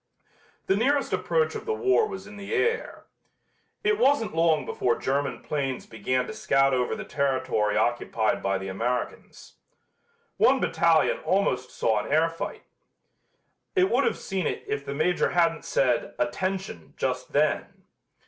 The nearest approach of the war was in the air. It wasn't long before German planes began to scout over the territory occupied by the Americans. One battalion almost saw an air fight. It would have seen it if the Major hadn't said "Attention!" just then.